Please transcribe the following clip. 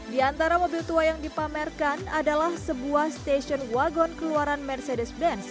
di antara mobil tua yang dipamerkan adalah sebuah stasiun wagon keluaran mercedes benz